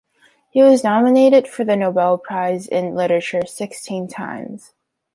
He was nominated for the Nobel prize in literature sixteen times.